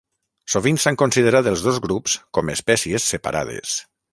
Sovint s'han considerat els dos grups com espècies separades.